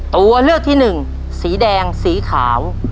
ตัวเลือกที่หนึ่งสีแดงสีขาว